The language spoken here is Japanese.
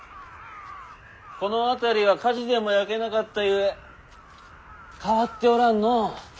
この辺りは火事でも焼けなかったゆえ変わっておらぬのう。